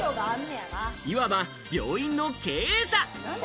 いわば病院の経営者！